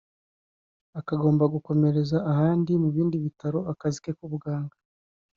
akagomba gukomereza ahandi mu bindi bitaro akazi ke k’ubuganga